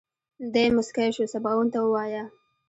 دی موسکی شو سباوون ته ووايه.